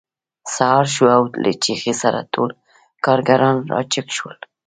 سهار شو او له چیغې سره ټول کارګران راجګ شول